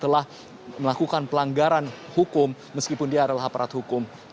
telah melakukan pelanggaran hukum meskipun dia adalah aparat hukum